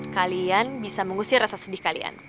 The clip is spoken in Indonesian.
kalian bisa mengusir rasa sedih kalian